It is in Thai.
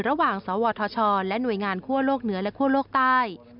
ระหว่างสวทชและหน่วยงานคั่วโลกเหนือและคั่วโลกใต้